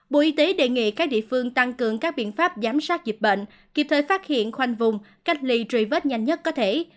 bộ y tế đề nghị các địa phương tăng cường các biện pháp giám sát dịch bệnh kịp thời phát hiện khoanh vùng cách ly truy vết nhanh nhất có thể